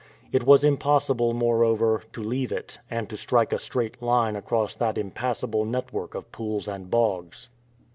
It was impossible, moreover, to leave it, and to strike a straight line across that impassable network of pools and bogs.